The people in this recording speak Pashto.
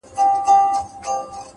اخلاص د عمل ارزښت څو برابره کوي’